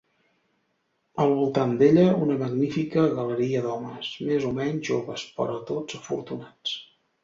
Al voltant d'ella, una magnífica galeria d'homes, més o menys joves però tots afortunats.